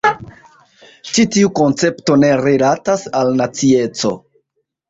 Ĉi tiu koncepto ne rilatas al nacieco.